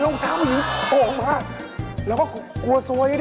ลงกาผู้หญิงโกงมา